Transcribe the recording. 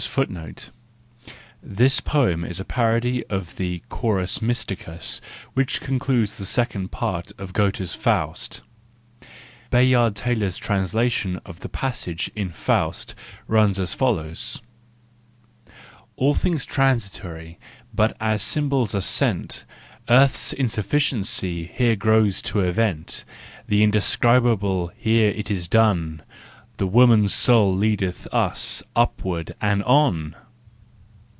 * This poem is a parody of the " Chorus Mysticus " which concludes the second part of Goethe's "Faust." Bayard Taylor's translation of the passage in "Faust" runs as follows :—" All things transitory But as symbols are sent, Earth's insufficiency Here grows to Event: The Indescribable Here it is done : The Woman Soul leadeth us Upward and on